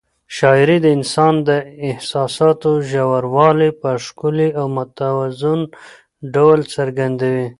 شاعري د انسان د احساساتو ژوروالی په ښکلي او موزون ډول څرګندوي.